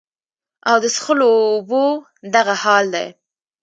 او د څښلو اوبو دغه حال دے